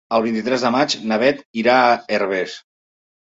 El vint-i-tres de maig na Beth irà a Herbers.